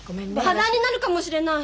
破談になるかもしれない。